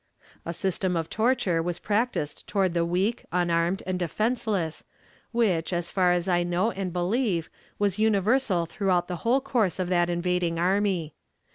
A system of torture was practiced toward the weak, unarmed, and defenseless, which, as far as I know and believe, was universal throughout the whole course of that invading army.